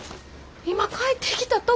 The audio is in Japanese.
今帰ってきたとこやんか。